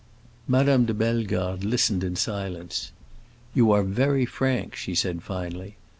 Madame de Bellegarde listened in silence. "You are very frank," she said finally.